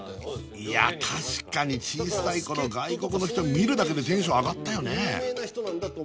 いや確かに小さい頃外国の人見るだけでテンション上がったよね